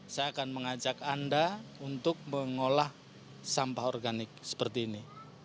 saya akan mengajak anda untuk mengolah sampah organik seperti ini